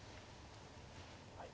はい。